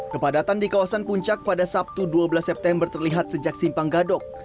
kepadatan di kawasan puncak pada sabtu dua belas september terlihat sejak simpang gadok